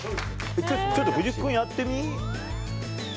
ちょっと藤木君やってみ。